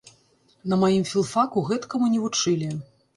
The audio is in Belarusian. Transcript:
На маім філфаку гэткаму не вучылі.